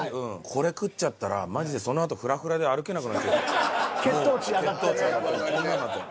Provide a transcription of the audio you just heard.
これ食っちゃったらマジでそのあと血糖値上がってこんなんなっちゃう。